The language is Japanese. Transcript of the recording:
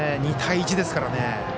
２対１ですからね。